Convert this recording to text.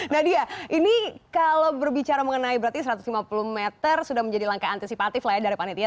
nadia ini kalau berbicara mengenai berarti satu ratus lima puluh meter sudah menjadi langkah antisipatif lah ya dari panitia